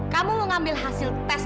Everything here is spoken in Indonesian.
kamu mau ngambil hasil tes